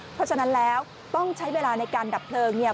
เพราะฉะนั้นแล้วต้องใช้เวลาในการดับเพลิงเนี่ย